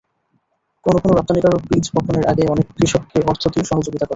কোনো কোনো রপ্তানিকারক বীজ বপনের আগে অনেক কৃষককে অর্থ দিয়ে সহযোগিতা করেন।